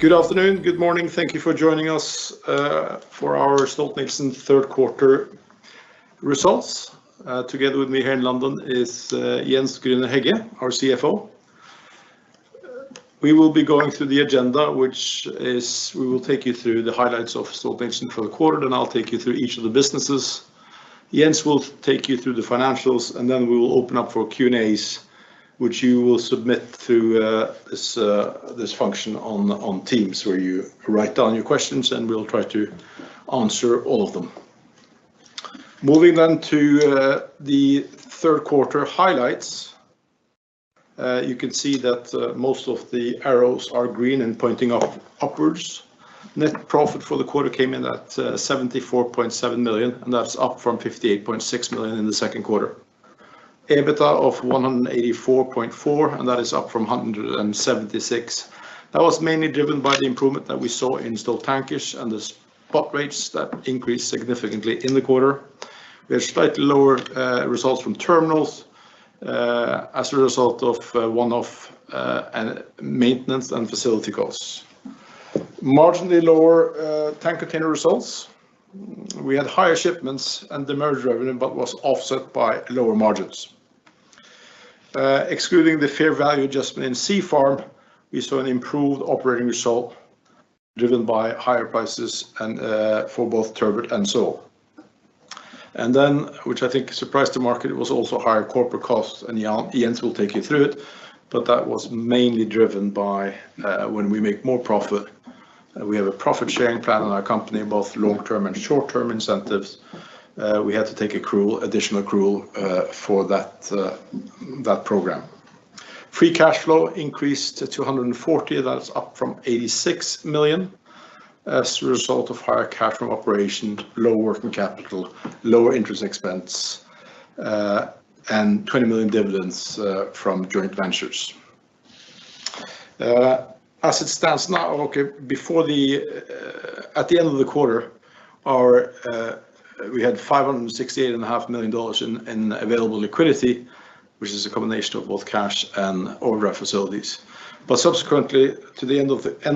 Good afternoon. Good morning. Thank you for joining us for our Stolt-Nielsen Q3 results. Together with me here in London is Jens F. Grüner-Hegge, our CFO. We will be going through the agenda: we will take you through the highlights of Stolt-Nielsen for the quarter, and I'll take you through each of the businesses. Jens will take you through the financials, and then we will open up for Q&A, which you will submit through this function on Teams, where you write down your questions and we'll try to answer all of them. EBITDA was $184.4 million, up from $176 million. That was mainly driven by the improvement that we saw in Stolt Tankers and the spot rates that increased significantly in the quarter. We have slightly lower results from terminals as a result of one-off maintenance and facility costs. We had marginally lower tank container results; we had higher shipments and margin revenue, but this was offset by lower margins. Excluding the fair value adjustment in Stolt Sea Farm, we saw an improved operating result driven by higher prices for both turbot and sole. Which I think surprised the market—it was also higher corporate costs, and Jens will take you through it. That was mainly driven by the fact that when we make more profit, we have a profit-sharing plan in our company, both long-term and short-term incentives. We had to take an additional accrual for that program. Free cash flow increased to $240 million. That's up from $86 million as a result of higher cash from operations, lower working capital, lower interest expense, and $20 million dividends from joint ventures. As it stands now, at the end of the quarter, we had $568.5 million in available liquidity, which is a combination of both cash and overdraft facilities. Subsequently to the end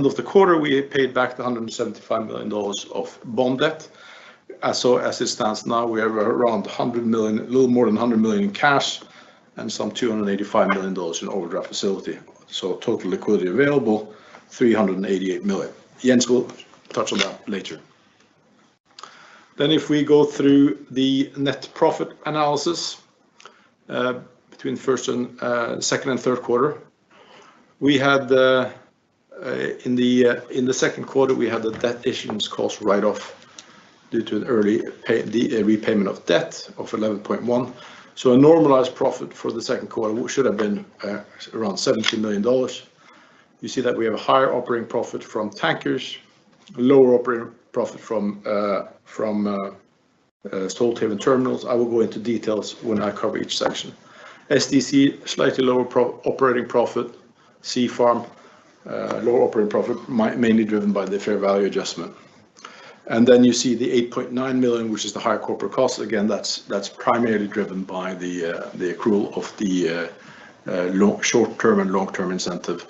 of the quarter, we paid back $175 million of bond debt. As it stands now, we have a little more than $100 million in cash and $285 million in overdraft facilities. Total liquidity available is $388 million. Jens will touch on that later. If we go through the net profit analysis between Q1, Q2, and Q3: in Q2, we had the debt issuance cost write-off due to an early payoff—the repayment of debt of $11.1 million. A normalized profit for Q2 should have been around $17 million. You see that we have a higher operating profit from Tankers and a lower operating profit from Stolthaven Terminals. I will go into details when I cover each section. STC had a slightly lower operating profit. Stolt Sea Farm had a lower operating profit, mainly driven by the fair value adjustment. Then you see the $8.9 million, which is the higher corporate cost. Again, that's primarily driven by the accrual of the short-term and long-term incentives.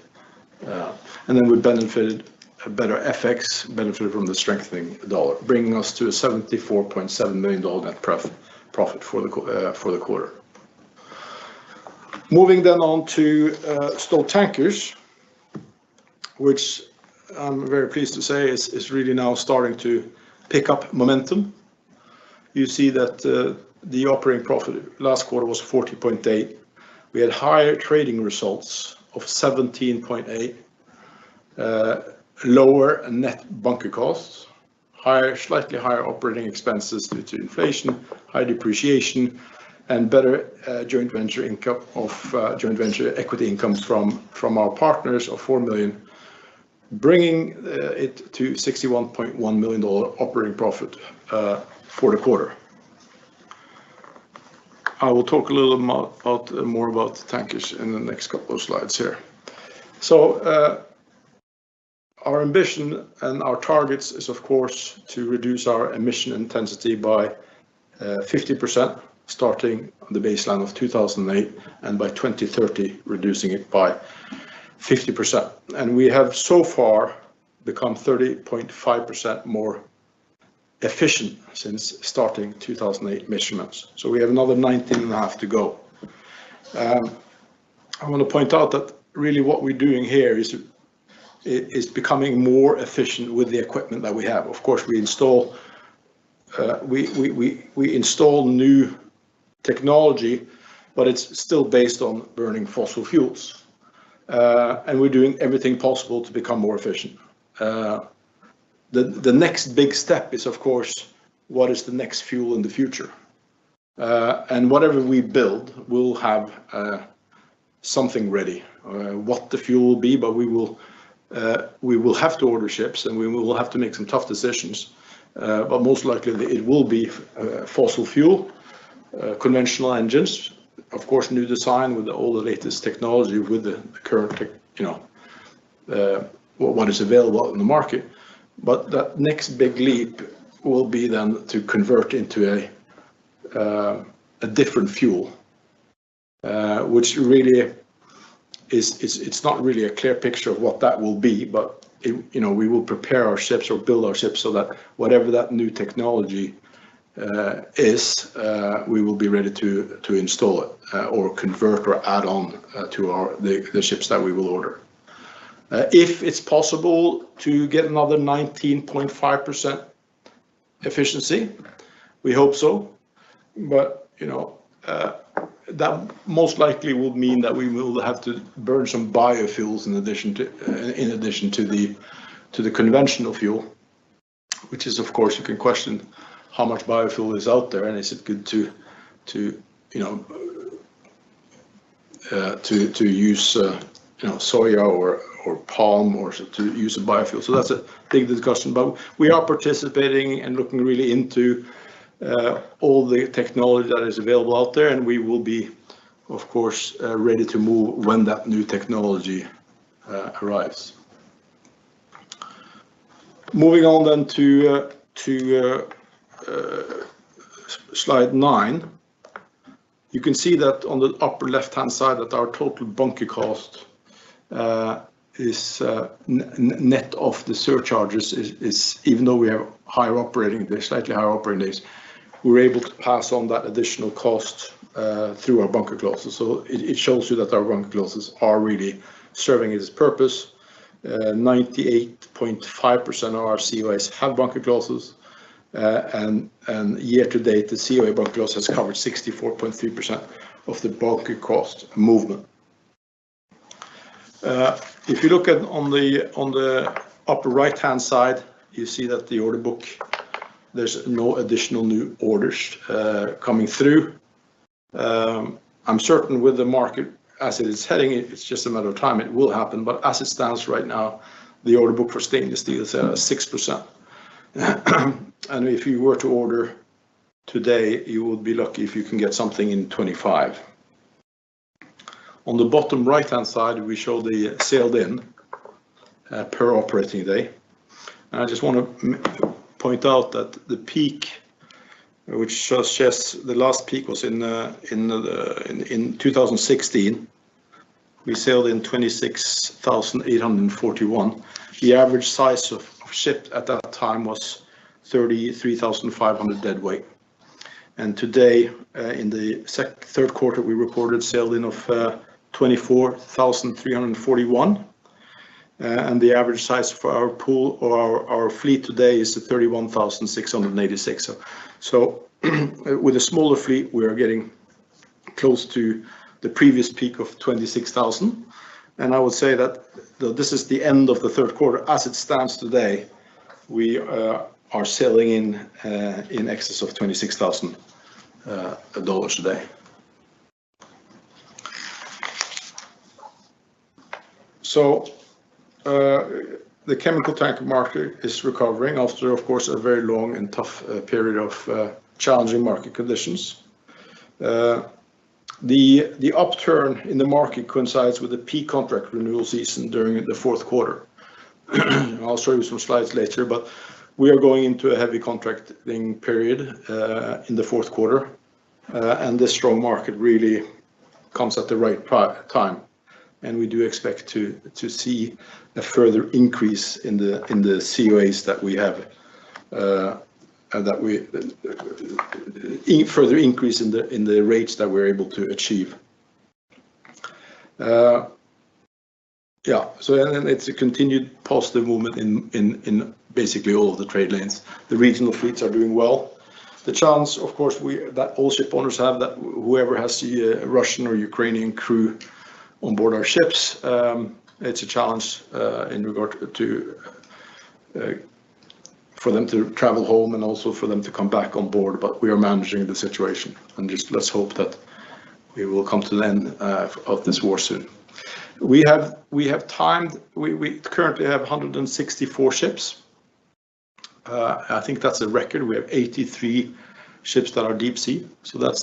Then we benefited from a better FX benefit due to the strengthening dollar, bringing us to a $74.7 million net profit for the quarter. Moving on to Stolt Tankers, which I'm very pleased to say is really now starting to pick up momentum. You see that the operating profit last quarter was $40.8 million. We had higher trading results of $17.8 million, and lower net bunker costs. We had slightly higher operating expenses due to inflation, higher depreciation, and better joint venture equity income from our partners of $4 million, bringing it to $61.1 million operating profit for the quarter. Of course, we install new technology, but it's still based on burning fossil fuels. The next big step is, of course: what is the next fuel in the future? Whatever we build, we will have something ready—whatever the fuel will be—but we will have to order ships, and we will have to make some tough decisions. Most likely it will be fossil fuel, conventional engines, of course, new designs with all the latest technology available in the market. The next big leap will be then to convert into a different fuel, though it's not really a clear picture of what that will be. We will prepare our ships or build our ships so that whatever that new technology is, we will be ready to install it or convert or add on to our ships that we will order. If it's possible to get another 19.5% efficiency, we hope so. You know, that most likely will mean that we will have to burn some biofuels in addition to the conventional fuel, although you can question how much biofuel is out there and if it is good to use soya or palm as a biofuel. That's a big discussion. We are participating and looking really into all the technology that is available out there, and we will be of course ready to move when that new technology arrives. If you look at the upper right-hand side, you see that in the order book, there's no additional new orders coming through. I'm certain with the market as it is heading, it's just a matter of time before it happens. As it stands right now, the order book for stainless steel is 6%. If you were to order today, you would be lucky if you can get something in '25. On the bottom right-hand side, we show the sailed-in per operating day. I just want to point out that the last peak was in 2016, where we sailed-in $26,841. The average size of ship at that time was 33,500 deadweight. Today, in Q3, we reported sailed-in of $24,341. The average size for our pool or our fleet today is 31,686. With a smaller fleet, we are getting close to the previous peak. As it stands today, we are sailing-in in excess of $26,000 a day. We do expect to see a further increase in the COAs that we have and a further increase in the rates that we're able to achieve. It's a continued positive movement in basically all of the trade lanes. The regional fleets are doing well. The challenge, of course, that all shipowners have regarding Russian or Ukrainian crew is for them to travel home and come back on board. We are managing the situation. Just let's hope that we will come to the end of this war soon. We currently have 164 ships. I think that's a record. We have 83 ships that are deep-sea. That's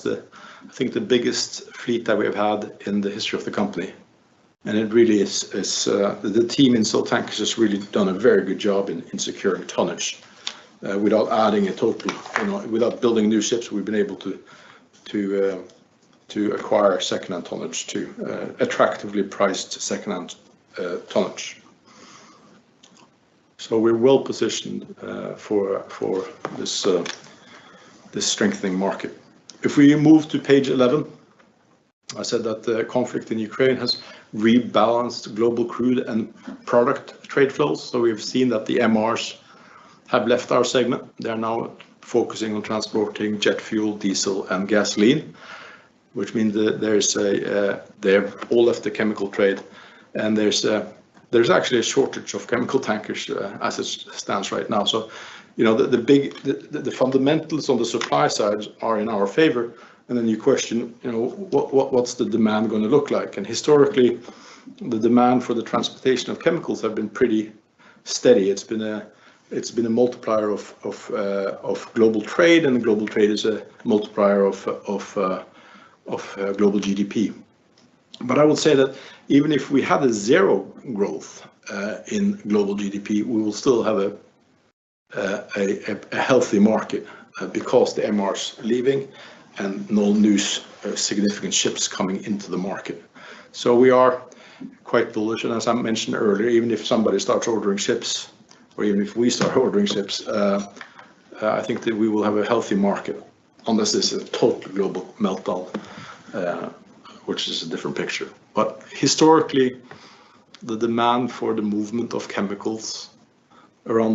the biggest fleet that we have had in the history of the company. I think. It really is the team in Stolt Tankers has just really done a very good job in securing tonnage. Without adding a totally, you know, without building new ships, we've been able to to acquire second-hand tonnage to attractively priced second-hand tonnage. We're well positioned for this strengthening market. If we move to page 11, I said that the conflict in Ukraine has rebalanced global crude and product trade flows. We've seen that the MRs (Medium Range tankers) have left our segment. They are now focusing on transporting jet fuel, diesel, and gasoline, which means that they have all left the chemical trade. There is actually a shortage of chemical tankers as it stands right now. The big fundamentals on the supply side are in our favor. I will say that even if we have a zero growth in global GDP, we will still have a healthy market because the MRs are leaving and no new significant ships are coming into the market. We are quite bullish. As I mentioned earlier, even if somebody starts ordering ships or even if we start ordering ships, I think that we will have a healthy market unless there is a total global meltdown, which is a different picture. Again,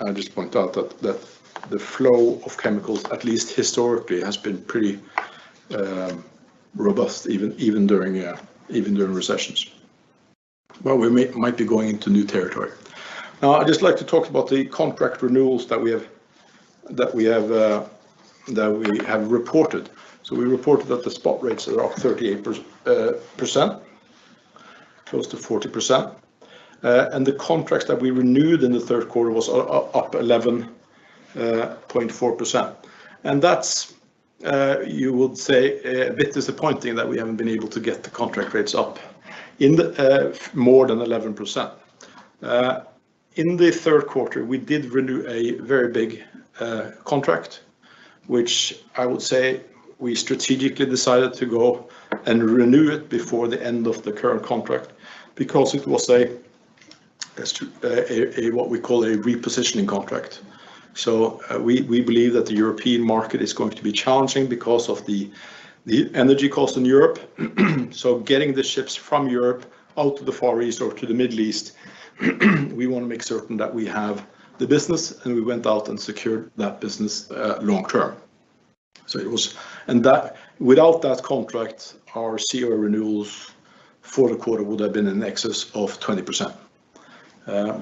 I just point out that the flow of chemicals, at least historically, has been pretty robust, even during recessions. We might be going into new territory. In Q3, we did renew a very big contract, which I would say we strategically decided to go and renew before the end of the current contract because it was what we call a repositioning contract. I'd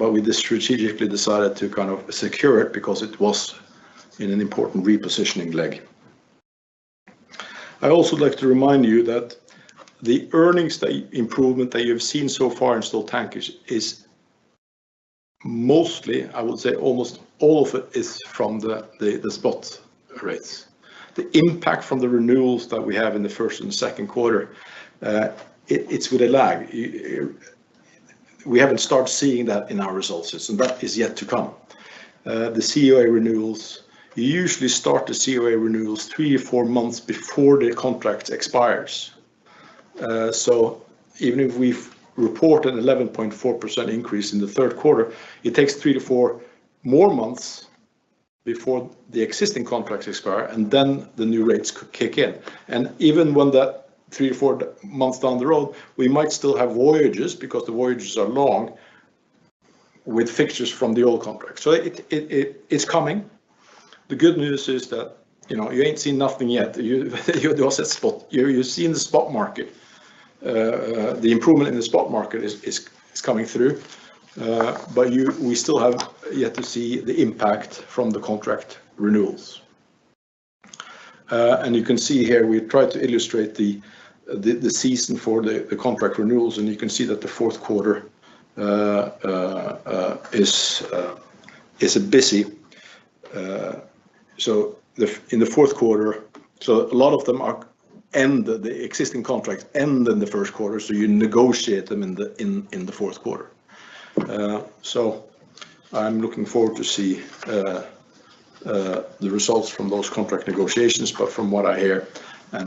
also like to remind you that the earnings—the improvement that you have seen so far in Stolt Tankers—is mostly, I would say almost all of it, from the spot rates. The impact from the renewals that we had in Q1 and Q2 comes with a lag. We haven't started seeing that in our results yet, and that is yet to come. Even when that three or four months down the road, we might still have voyages—because the voyages are long—with fixtures from the old contract. It's coming. The good news is that, you know, you "ain't seen nothing yet." In Q4, a lot of the existing contracts end in Q1, so you negotiate them in Q4. I'm looking forward to seeing the results from those contract negotiations. From what I hear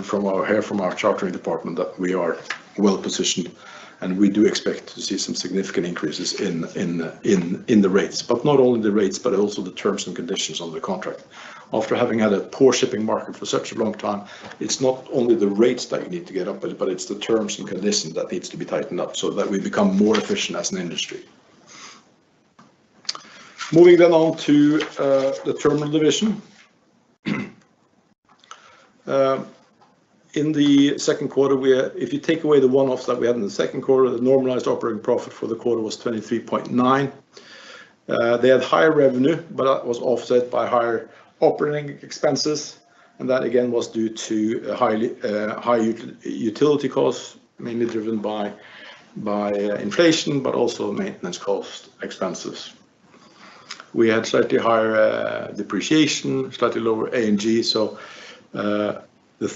from our chartering department, we are well-positioned, and we do expect to see some significant increases in the rates. In Q2, if you take away the one-offs that we had in Q2, the normalized operating profit for the quarter was $23.9 million. They had higher revenue, but that was offset by higher operating expenses. That again was due to high utility costs, mainly driven by inflation, but also maintenance cost expenses. The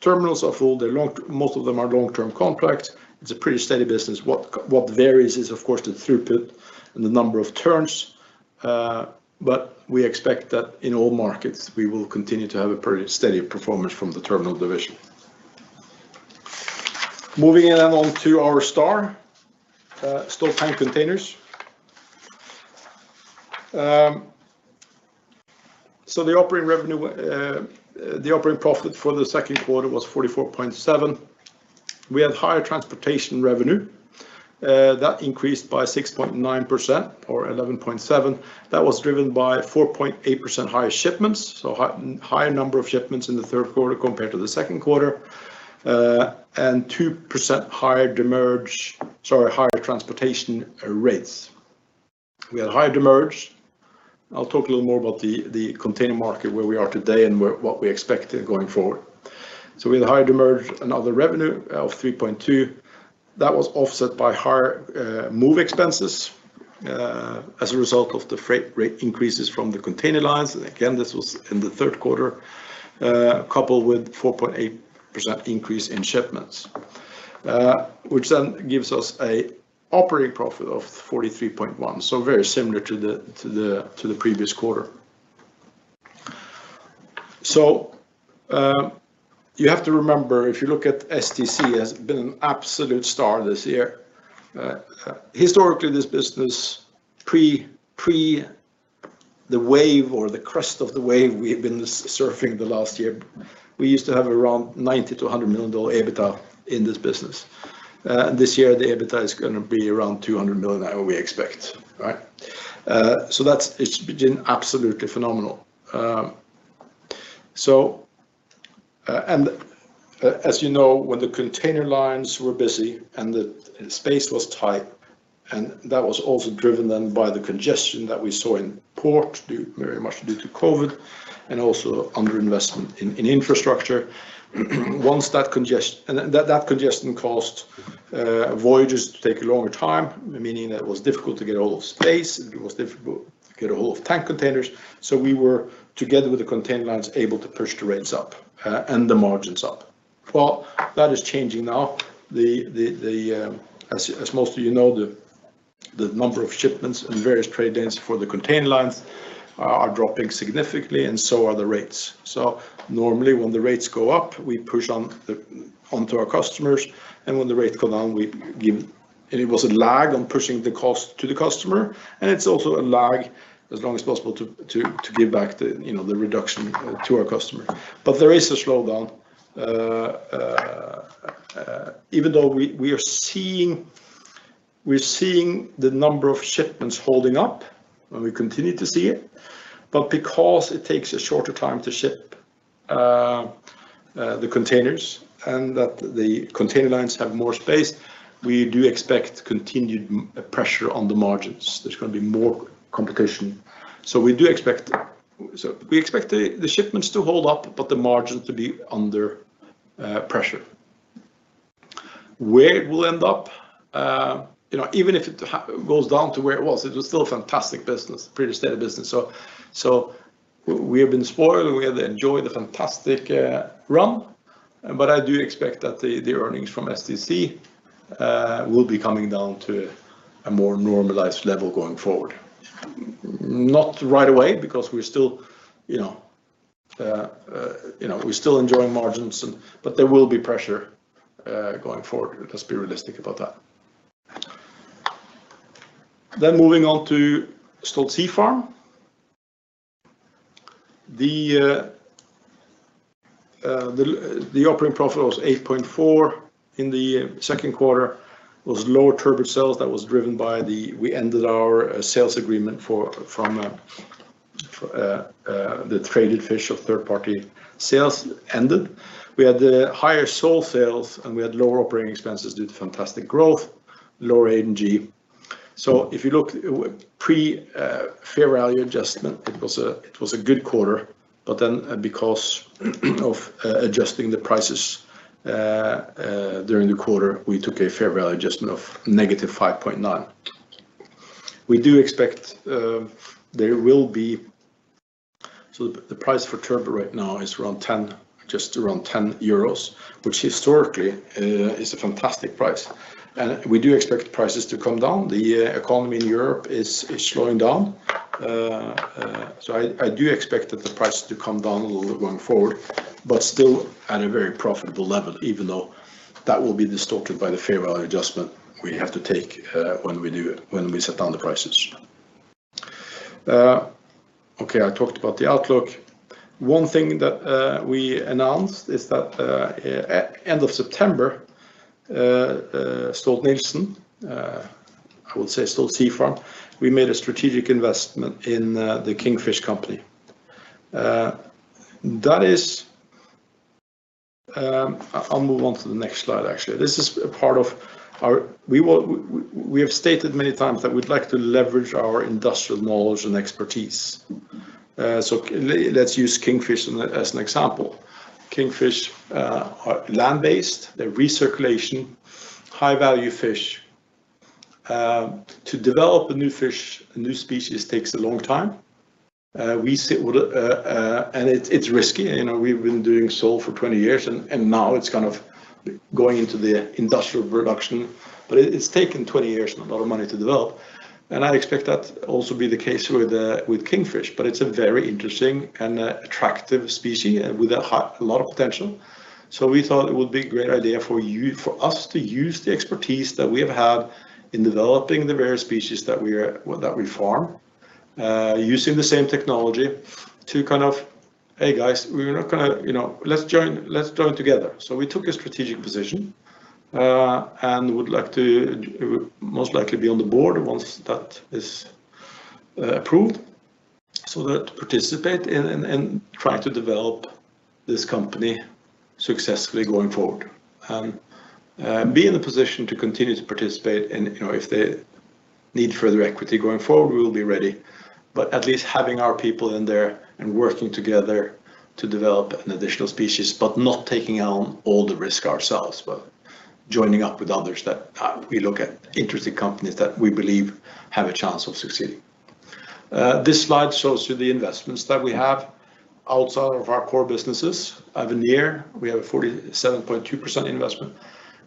terminals—most of them are on long-term contracts—represent a pretty steady business. What varies, of course, is the throughput and the number of turns. We expect that in all markets, we will continue to have a pretty steady performance from the terminal division. I'll talk a little more about the container market, where we are today and what we expect going forward. We had higher demurrage and other revenue of $3.2 million. That was offset by higher move expenses as a result of the freight rate increases from the container lines. Again, this was in Q3 coupled with a 4.8% increase in shipments. This year, the EBITDA is going to be around $200 million, how we expect. Right? That's... it has been absolutely phenomenal. As most of you know, the number of shipments in various trade lanes for the container lines are dropping significantly, and so are the rates. Normally, when the rates go up, we push them onto our customers; when the rates go down, there is a lag on pushing the cost to the customer, and there is also a lag as long as possible to give back the reduction to our customer. There's going to be more complication. We expect the shipments to hold up, but the margins to be under pressure. Where it will end up—even if it goes down to where it was—it was still a fantastic business, a pretty steady business. We have been spoiled, and we have enjoyed the fantastic run. It was lower turbot sales that was driven by the fact that we ended our sales agreement for the traded fish (third-party sales). We had higher sole sales, and we had lower operating expenses due to fantastic growth and lower G&A. To develop a new fish—a new species—takes a long time. We see it, and it's risky. You know, we've been doing sole for 20 years, and now it's finally going into industrial production. It's taken 20 years and a lot of money to develop. I expect that will also be the case with Kingfish. It's a very interesting and attractive species with a lot of potential. We thought it would be a great idea for us to use the expertise that we have had in developing the various species that we farm. Using the same technology to kind of, "Hey guys, we're not gonna... let's join together." Joining up with others that we look at interesting companies that we believe have a chance of succeeding. This slide shows you the investments that we have outside of our core businesses. Avenir LNG, we have a 47.2% investment.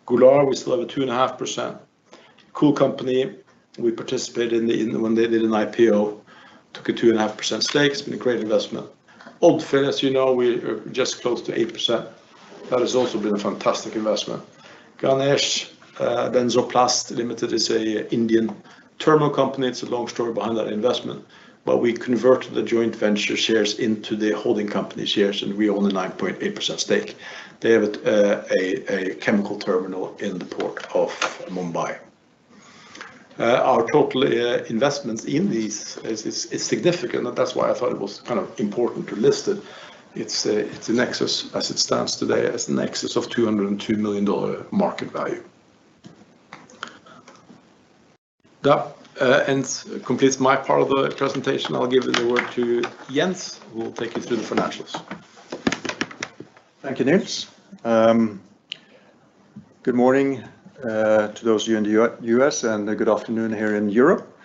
Golar LNG, we still have a 2.5%. Cool Company Ltd., we participated when they did an IPO, took a 2.5% stake. It's been a great investment. Odfjell, we are just close to 8%. That has also been a fantastic investment. Ganesh Benzoplast Limited is an Indian terminal company. It's a long story behind that investment. We converted the joint venture shares into the holding company shares, and we own a 9.8% stake. They have a chemical terminal in the port of Mumbai. Our total investments in these is significant, and that's why I thought it was kind of important to list it. It's a nexus as it stands today. It's a nexus of $202 million market value. That completes my part of the presentation. I'll give the word to Jens, who will take you through the financials. Thank you, Niels. Good morning to those of you in the U.S., and good afternoon here in Europe.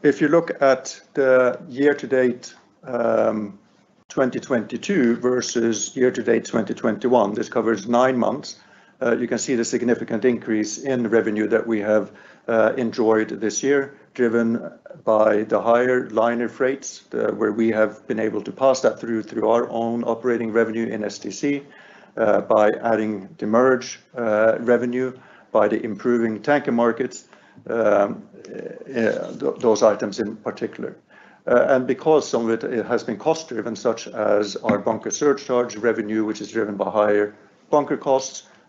If you look at the year-to-date 2022 versus year-to-date 2021—this covers nine months—you can see the significant increase in revenue that we have enjoyed this year. This was driven primarily by higher liner freights, which we have been able to pass through our own operating revenue in STC, the addition of merger revenue, and the improving tanker markets.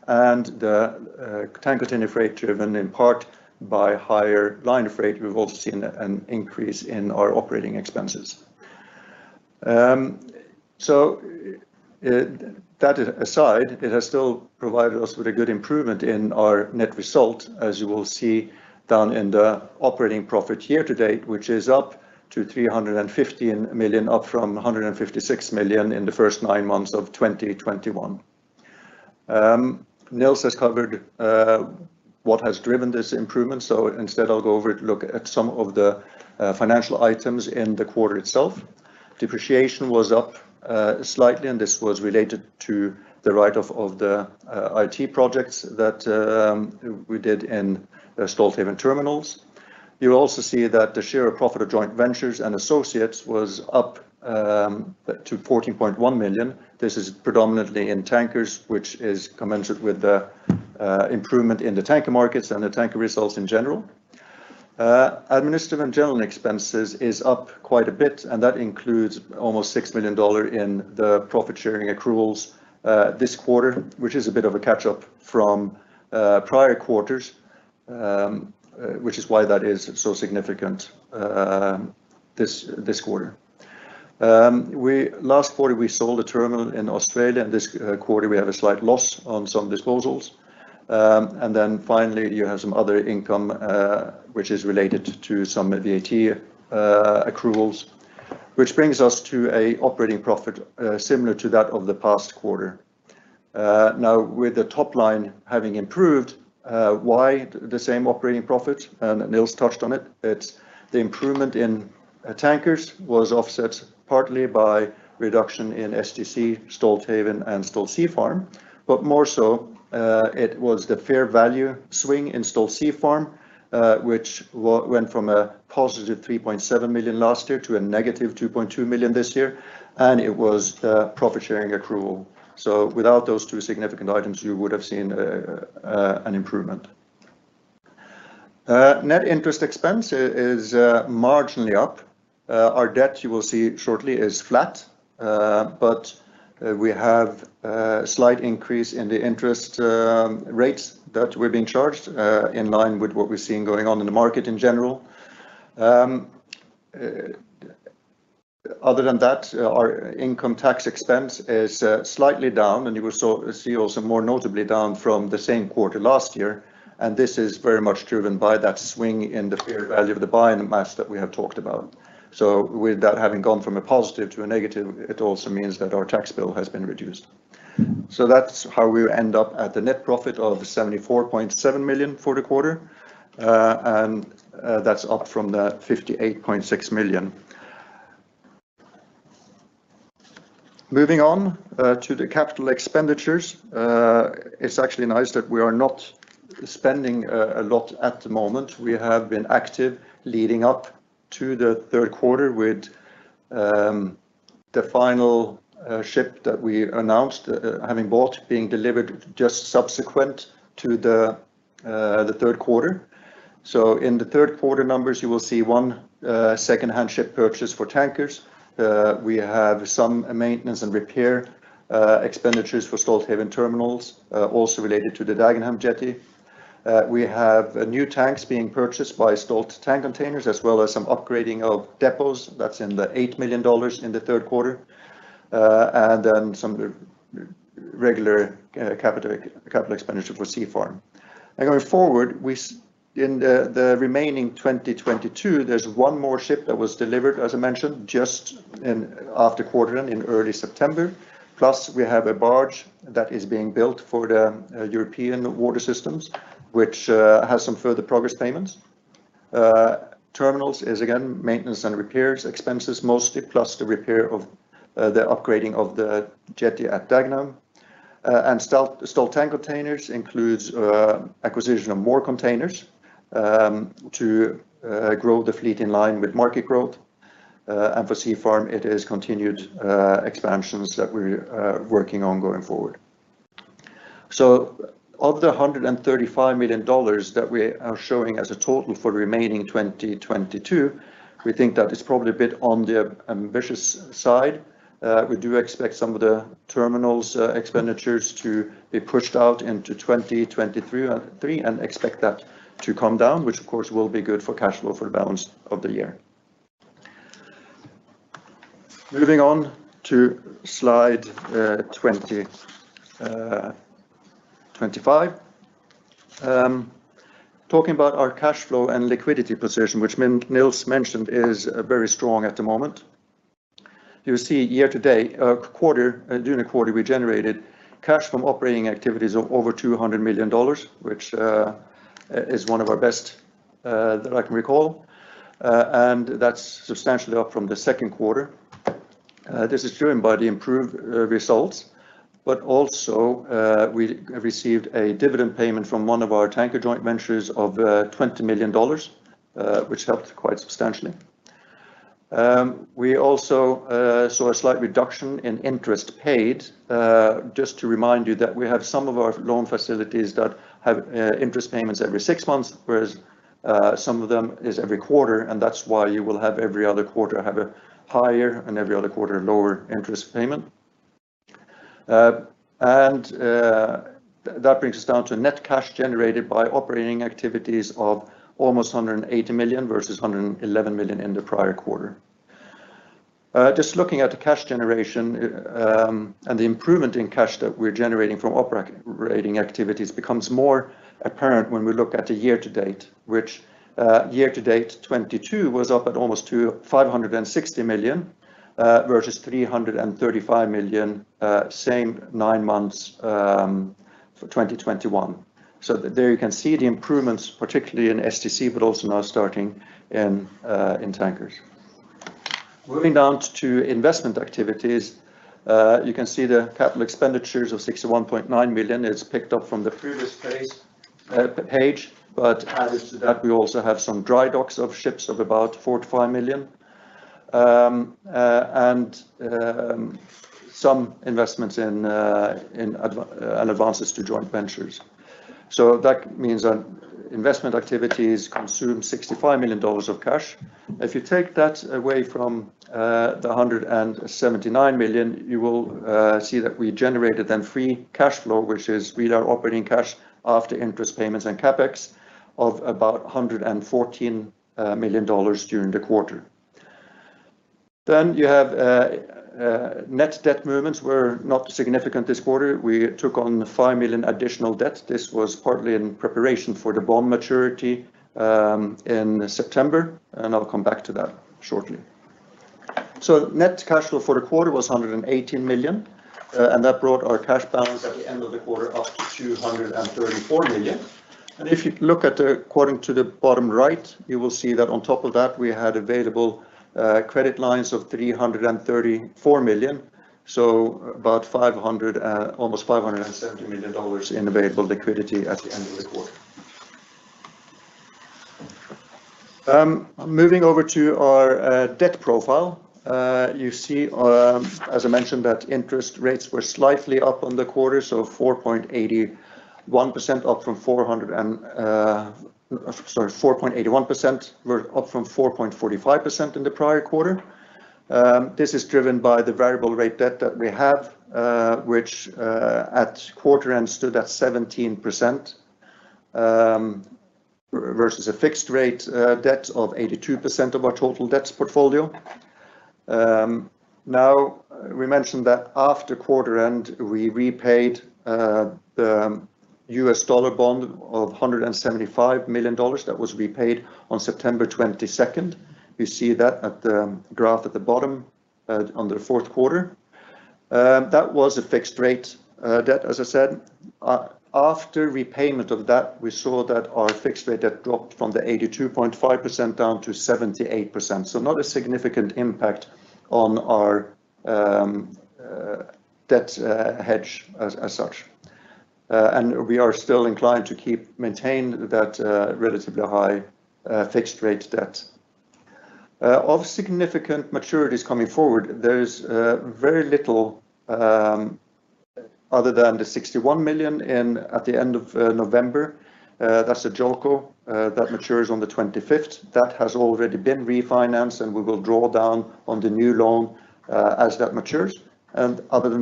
That aside, it has still provided us with a good improvement in our net result, as you will see down in the operating profit year to date, which is up to $350 million, up from $156 million in the first nine months of 2021. Niels has covered what has driven this improvement, so instead I'll go over to look at some of the financial items in the quarter itself. Depreciation was up slightly, and this was related to the write-off of the IT projects that we did in Stolthaven Terminals. You'll also see that the share of profit of joint ventures and associates was up to $14.1 million. This is predominantly in tankers, which is commensurate with the improvement in the tanker markets and the tanker results in general. Administrative and general expenses are up quite a bit, and that includes almost $6 million in profit-sharing accruals this quarter. This is a bit of a catch-up from prior quarters, which is why that is so significant this quarter. More so, it was the fair value swing in Stolt Sea Farm, which went from $3.7 million last year to -$2.2 million this year, and it was the profit-sharing accrual. Without those two significant items, you would have seen an improvement. With that having gone from a positive to a negative, it also means that our tax bill has been reduced. That's how we end up at the net profit of $74.7 million for the quarter, and that's up from $58.6 million. We have new tanks being purchased by Stolt Tank Containers, as well as some upgrading of depots. That's $8 million in Q3. Then some of the regular capital expenditure for Stolt Sea Farm. Of the $135 million that we are showing as a total for the remaining 2022, we think that it's probably a bit on the ambitious side. We do expect some of the terminals' expenditures to be pushed out into 2023 and 2024, and expect that to come down, which of course will be good for cash flow for the balance of the year. This is driven by the improved results, but also we received a dividend payment from one of our tanker joint ventures of $20 million, which helped quite substantially. We also saw a slight reduction in interest paid. Just looking at the cash generation, the improvement in cash that we're generating from operating activities becomes more apparent when we look at the year-to-date figures. Year-to-date 2022 was up almost to $560 million, versus $335 million for the same nine months in 2021. If you take that away from the $179 million, you will see that we generated free cash flow—which is operating cash after interest payments and CapEx—of about $114 million during the quarter. About $570 million in available liquidity at the end of the quarter. Moving over to our debt profile, you see, as I mentioned, that interest rates were slightly up on the quarter: 4.81%, up from 4.45% in Q2. This is driven by the variable rate debt that we have, which at quarter-end stood at 17%, versus a fixed rate debt of 82% of our total debt portfolio. That was a fixed rate debt, as I said. After repayment of that, we saw that our fixed rate had dropped from 82.5% down to 78%. Not a significant impact on our debt hedge as such; we are still inclined to maintain that relatively high fixed rate debt. Other than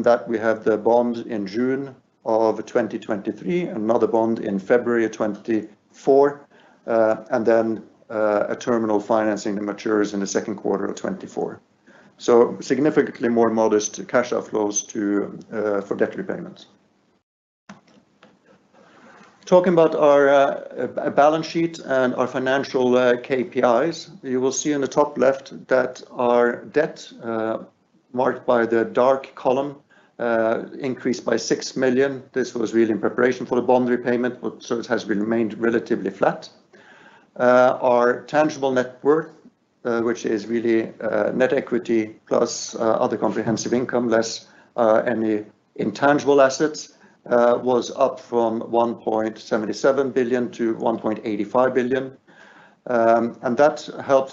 that, we have the bond in June 2023, another bond in February 2024, and then a terminal financing that matures in Q2 of 2024. Significantly more modest cash outflows for debt repayments. That helped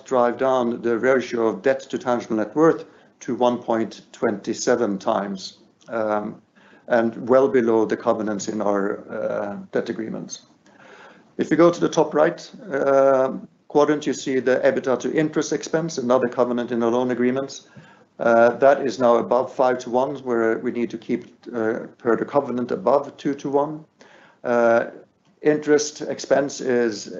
drive down the ratio of debt to tangible net worth to 1.27x, well below the covenants in our debt agreements. In the top right quadrant, you see the EBITDA to interest expense, another covenant in the loan agreements. That is now above 5:1, where we need to keep it above 2:1 per the covenant. Interest expense is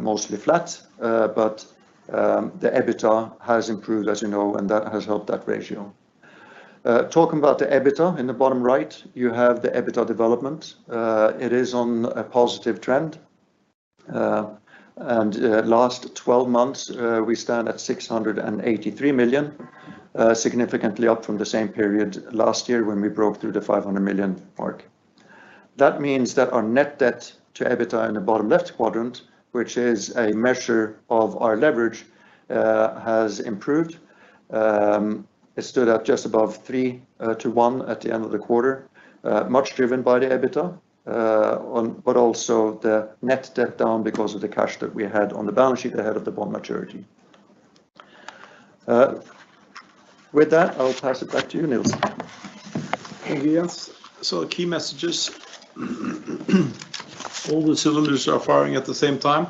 mostly flat, but the EBITDA has improved, as you know, and that has helped that ratio. That means our net debt to EBITDA in the bottom left quadrant—a measure of our leverage—has improved. It stood at just above 3:1 at the end of the quarter, driven much by the EBITDA but also the net debt being down because of the cash we had on the balance sheet ahead of the bond maturity. Thank you, Jens. Key messages: All cylinders are firing at the same time.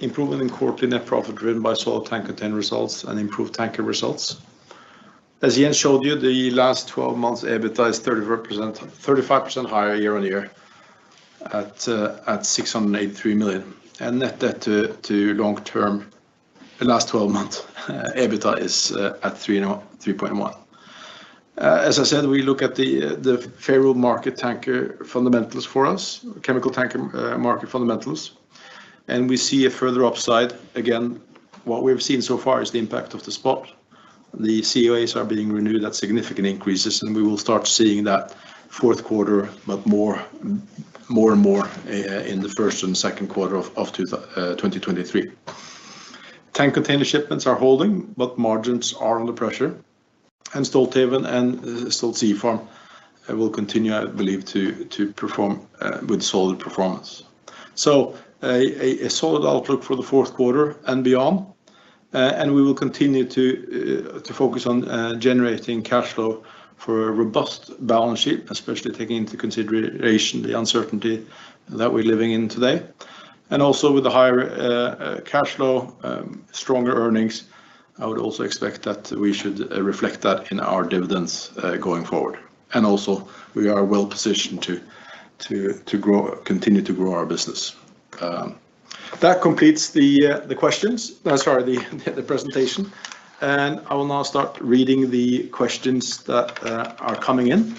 Improvement in quarterly net profit is driven by solid tank container results and improved tanker results. As Jens showed you, the last twelve months EBITDA is 35% higher year-on-year at $683 million. Net debt to LTM EBITDA is at 3.1x. The COAs (Contracts of Affreightment) are being renewed at significant increases, and we will start seeing that in Q4, but more and more in Q1 and Q2 of 2023. That completes the presentation. I will now start reading the questions that are coming in.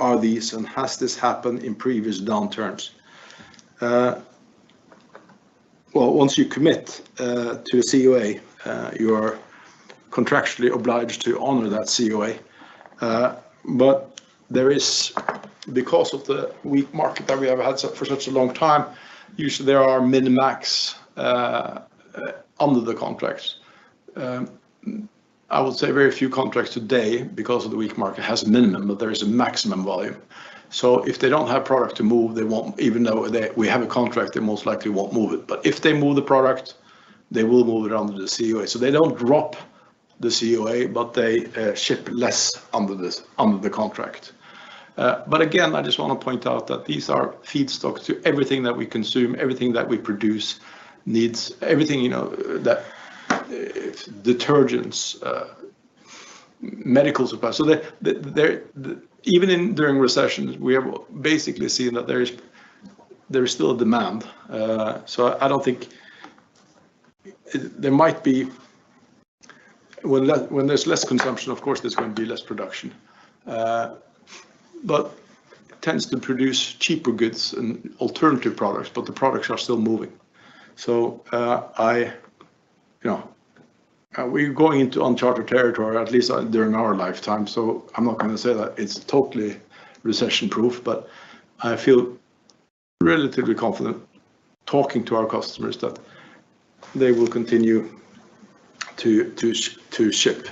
Well, once you commit to a COA, you are contractually obliged to honor that COA. Because of the weak market that we have had for such a long time, usually there are min-maxes under the contracts. I would say very few contracts today, because of the weak market, have a minimum, but there is a maximum volume. If they don't have product to move, even though we have a contract, they most likely won't move it. If they do move the product, they will move it under the COA. They don't "drop" the COA, but they ship less under the contract. Even during recessions, we have basically seen that there is still demand. I don't think there might be—well, when there's less consumption, of course, there's going to be less production. But it tends to produce cheaper goods and alternative products, and the products are still moving. You know, we're going into uncharted territory, at least during our lifetime, so I'm not going to say that it's totally recession-proof, but I feel relatively confident talking to our customers that they will continue to ship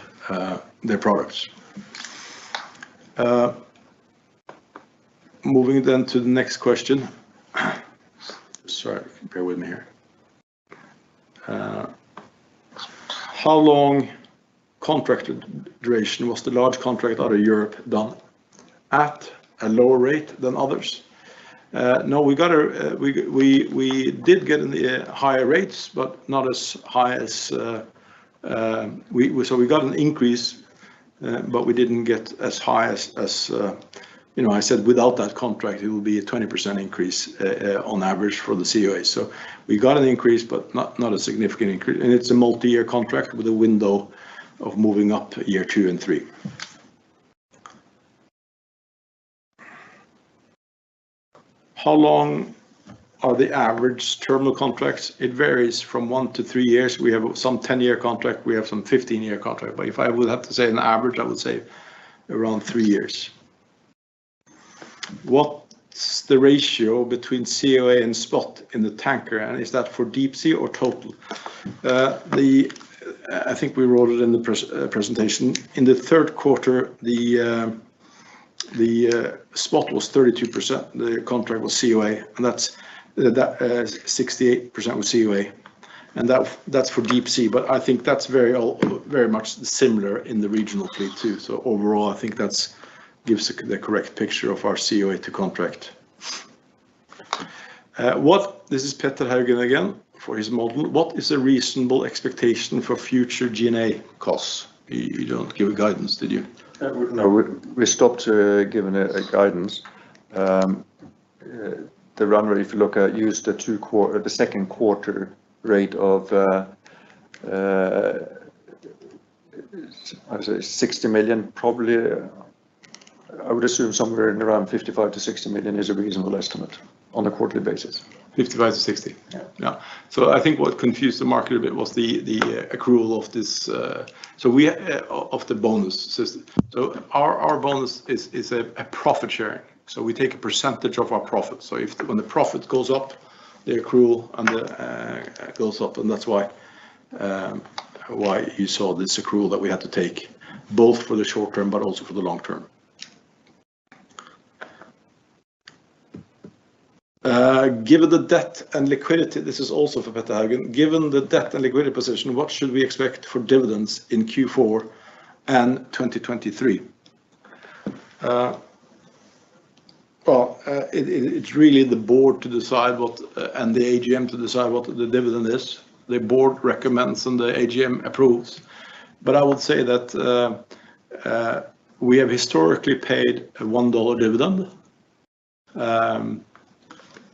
their products. No, we did get in the higher rates, but not as high as... well, we got an increase, but we didn't get as high as I previously noted. As I said, without that contract, there would be a 20% increase on average for the COA. So we got an increase, but not a significant increase. It's a multi-year contract with a window for moving up in Year 2 and Year 3. I think we wrote it in the presentation. In Q3, the spot was 32% and the COA was 68%. That is for deep-sea, but I think that is very much similar in the regional fleet too. Overall, I think that gives the correct picture of our COA-to-contract ratio. Yes. I think what confused the market a bit was the accrual of the bonus system. Our bonus is a profit-sharing scheme; we take a percentage of our profit. If and when the profit goes up, the accrual goes up, and that's why you saw this accrual that we had to take both for the short term but also for the long term. I would say that we have historically paid a $1.00 dividend,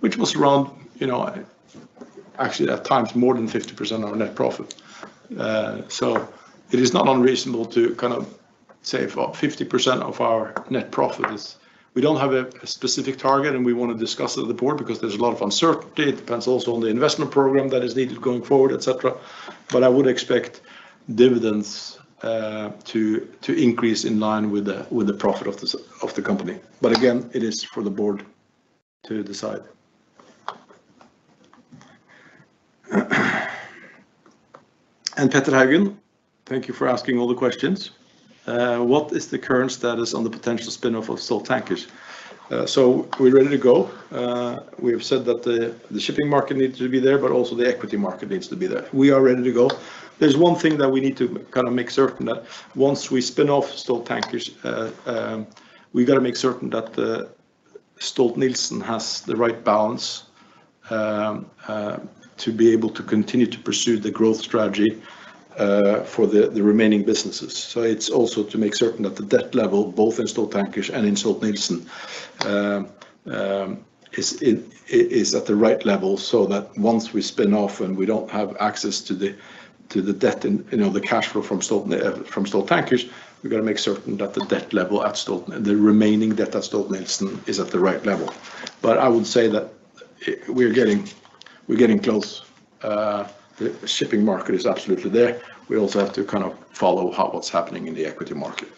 which was around—you know, actually at times—more than 50% of our net profit. So it is not unreasonable to kind of say 50% of our net profit is... well, we don't have a specific target, and we want to discuss it with the Board because there's a lot of uncertainty. It depends also on the investment program that is needed going forward, et cetera. I would expect dividends to increase in line with the profit of the company. But again, it is for the Board to decide. We have said that the shipping market needs to be there, but also the equity market needs to be there. I would say that we're getting close. The shipping market is absolutely there. We also have to kind of follow what's happening in the equity market.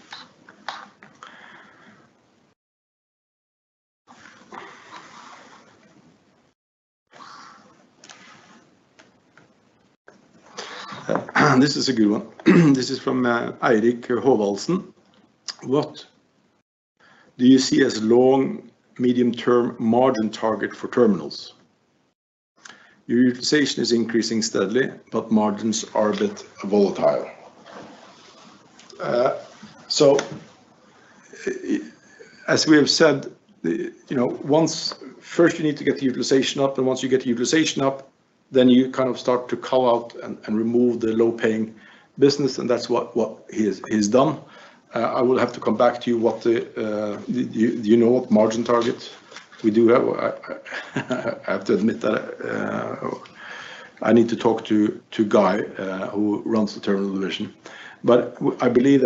I believe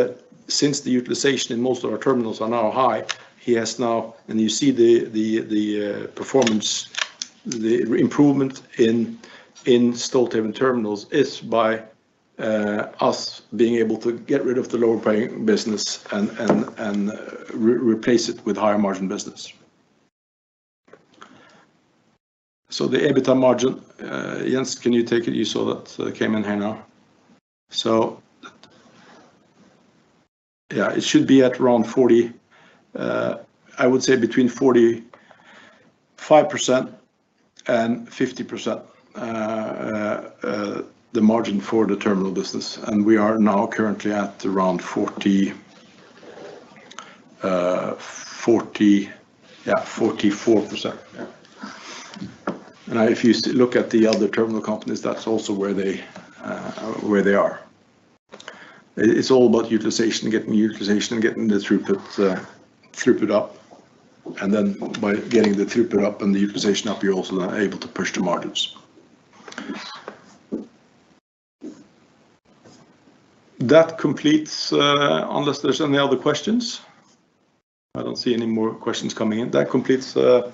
that since the utilization in most of our terminals is now high... you see the performance. The improvement in Stolthaven Terminals is driven by us being able to get rid of the lower-paying business and replace it with higher-margin business. The EBITDA margin—Jens, can you take it? By getting the throughput up and the utilization up, you're also now able to push the margins. That completes—unless there are any other questions. I don't see any more questions coming in.